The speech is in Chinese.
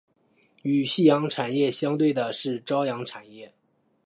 与夕阳产业相对的是朝阳产业。